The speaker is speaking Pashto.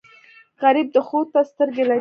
غریب د ښو ته سترګې لري